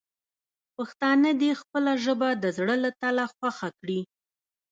پښتانه دې خپله ژبه د زړه له تله خوښه کړي.